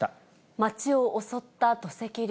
町を襲った土石流。